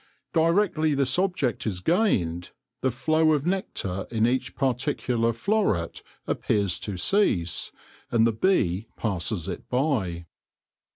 Directly this object is gained, the flow of nectar in each particular floret appears to cease, and the bee passes it by.